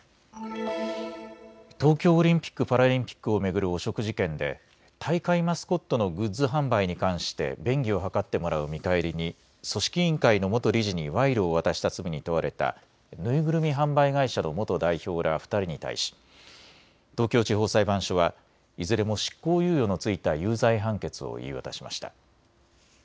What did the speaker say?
東京オリンピック・パラリンピックを巡る汚職事件で大会マスコットのグッズ販売に関して便宜を図ってもらう見返りに組織委員会の元理事に賄賂を渡した罪に問われたぬいぐるみ販売会社の元代表ら２人に対し東京地方裁判所はいずれも執行猶予の付いた有罪判決を言い渡しました。